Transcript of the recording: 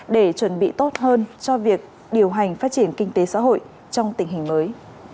để chuẩn bị tốt hơn cho việc điều hành phát triển kinh tế xã hội trong tình hình mới